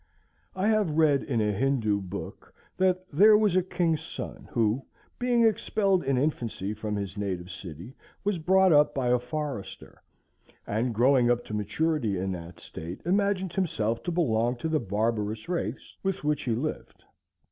I have read in a Hindoo book, that "there was a king's son, who, being expelled in infancy from his native city, was brought up by a forester, and, growing up to maturity in that state, imagined himself to belong to the barbarous race with which he lived.